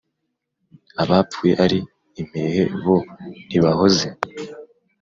abapfuye ari impehe bo ntibahoze ?"